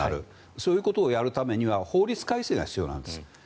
そういうことをやるためには法律改正が必要なんです。